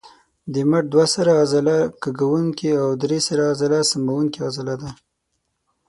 د مټ دوه سره عضله کږوونکې او درې سره عضله سموونکې عضله ده.